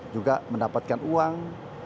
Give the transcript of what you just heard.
juga mendapatkan uang